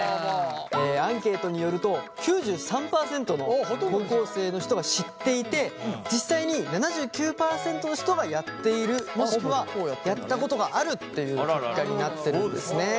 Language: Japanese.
アンケートによると９３％の高校生の人が知っていて実際に７９％の人がやっているもしくはやったことがあるっていう結果になってるんですね。